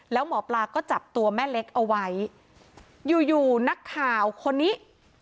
แล้วหมอปลาก็จับตัวแม่เล็กเอาไว้อยู่อยู่นักข่าวคนนี้